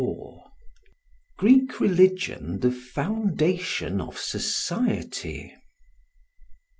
Greek Religion the Foundation of Society.